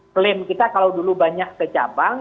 klaim kita kalau dulu banyak ke cabang